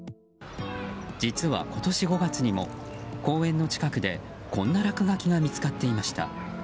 実は、今年５月にも公園の近くでこんな落書きが見つかっていました。